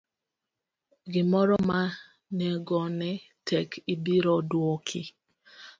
gimoro ma nengone tek ibiro duoki.